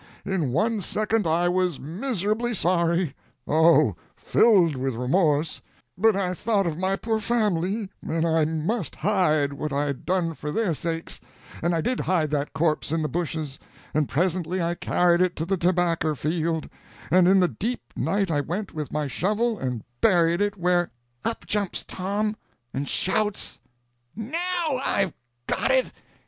In one second I was miserably sorry—oh, filled with remorse; but I thought of my poor family, and I must hide what I'd done for their sakes; and I did hide that corpse in the bushes; and presently I carried it to the tobacker field; and in the deep night I went with my shovel and buried it where—" Up jumps Tom and shouts: "Now, I've got it!"